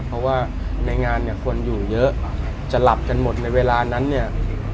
เพราะว่าในงานเนี่ยคนอยู่เยอะจะหลับกันหมดในเวลานั้นเนี่ย